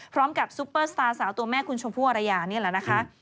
ซุปเปอร์สตาร์สาวตัวแม่คุณชมพู่อรยานี่แหละนะคะ